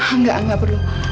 enggak enggak perlu